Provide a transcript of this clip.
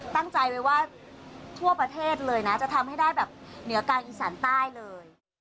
ตั้งใจไว้ว่าทั่วประเทศเลยนะจะทำให้ได้แบบเหนือกลางอีสานใต้เลย